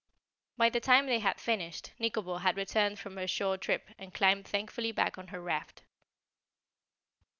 By the time they had finished Nikobo had returned from her shore trip and climbed thankfully back on her raft.